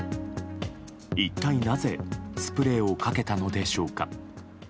一体なぜスプレーをかけたのでしょうか。